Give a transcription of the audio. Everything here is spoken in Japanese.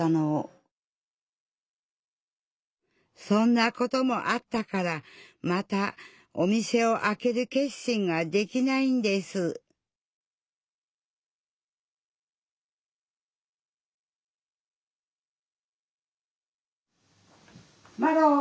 そんなこともあったからまたお店をあける決心ができないんですまろ。